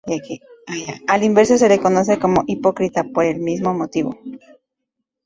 A la inversa se le conoce como ""hipócrita"" por el mismo motivo.